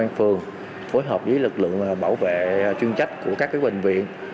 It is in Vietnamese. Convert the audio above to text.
công an phường phối hợp với lực lượng bảo vệ chuyên trách của các bệnh viện